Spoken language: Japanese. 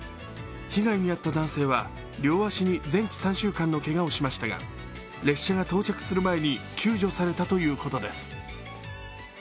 被害に遭った男性は両足に全治３週間のけがをしましたが列車が到着する前に救助されたということです。